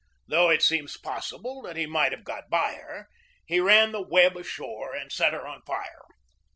Though it seems possible that he might have got by her, he ran the Webb ashore and set her on fire.